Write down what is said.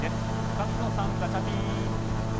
勝野さん、ガチャピン！